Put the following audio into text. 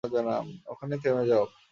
ওখানেই থেমে যাও!